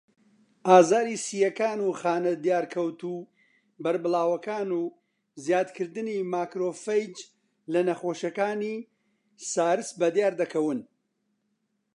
ئازاری سییەکان و خانە دیارکەوتوو بەربڵاوەکان و زیادکردنی ماکرۆفەیج لە نەخۆشەکانی سارس بەدیاردەکەون.